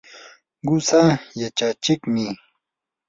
qusaa yachachiqmi.